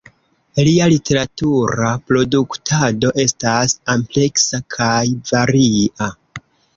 Lia literatura produktado estas ampleksa kaj varia.